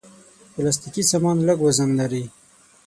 پلاستيکي سامانونه لږ وزن لري.